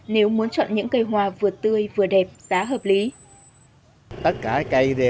nếu muốn chọn những cây hoa vừa tươi vừa đẹp giá hợp lý